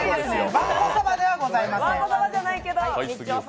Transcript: わんこそばではございません。